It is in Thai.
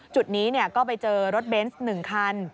จุดนี้ก็ไปเจอรถเบนส์๑คัน